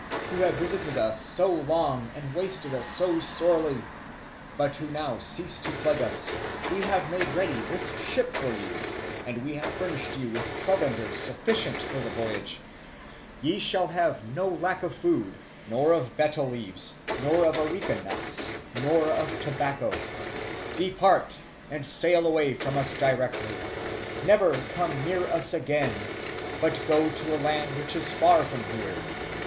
who have visited us so long and wasted us so sorely, but who now cease to plague us, we have made ready this ship for you, and we have furnished you with provender sufficient for the voyage. Ye shall have no lack of food nor of betel leaves nor of areca nuts nor of tobacco. Depart, and sail away from us directly; never come near us again; but go to a land which is far from here.